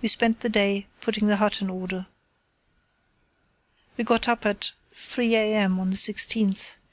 We spent the day putting the hut in order. We got up at 3 a.m. on the 16th.